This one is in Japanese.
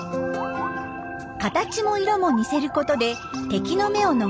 形も色も似せることで敵の目を逃れます。